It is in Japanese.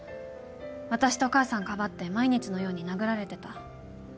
私と母さんかばって毎日のように殴られてた。